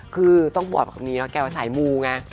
คือต้องบอกแบบนี้ว่าแกว่าสายมูไง